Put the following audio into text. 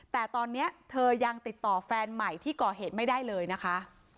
แต่ตอนนี้เธอยังติดต่อแฟนใหม่ที่ก่อเหตุไม่ได้เลยนะคะ